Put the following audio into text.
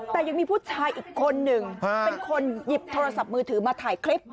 แต่ยังมีผู้ชายอีกคนหนึ่งเป็นคนหยิบโทรศัพท์มือถือมาถ่ายคลิป